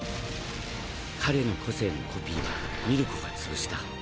彼の個性のコピーはミルコが潰した。